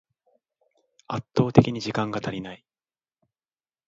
圧倒的に時間が足りない